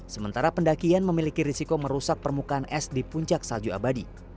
sementara pendakian memiliki risiko merusak permukaan es di puncak salju abadi